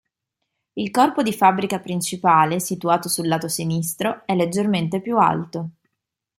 Il corpo di fabbrica principale, situato sul lato sinistro, è leggermente più alto.